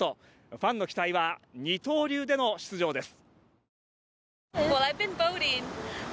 ファンの期待は二刀流での出場です。